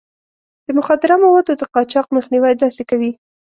د مخدره موادو د قاچاق مخنيوی داسې کوي.